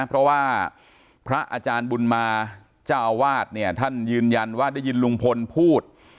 เพราะว่าพระอาจารย์บุญมาเจ้าอาวาสเนี่ยท่านยืนยันว่าได้ยินลุงพลพูด